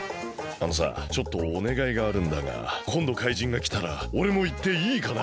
あのさちょっとおねがいがあるんだがこんどかいじんがきたらおれもいっていいかな？